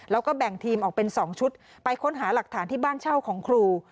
แล้วก็แบ่งทีมออกเป็น๒ชุดไปค้นหาหลักฐานที่บ้านเช่าของครู